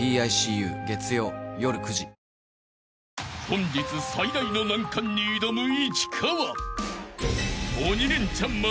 ［本日最大の難関に挑む市川］